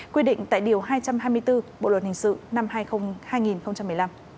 quy định tại điều hai trăm hai mươi bốn bộ luật hình sự năm hai nghìn một mươi năm